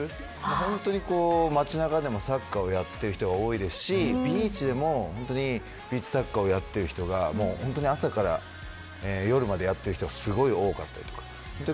本当に街中でもサッカーをやっている人が多いですしビーチでもビーチサッカーをやっている人が本当に朝から夜までやってる人がすごい多かったりとか。